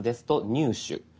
「入手」。